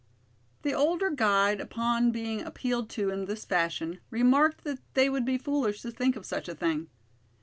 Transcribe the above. The older guide, upon being appealed to in this fashion, remarked that they would be foolish to think of such a thing.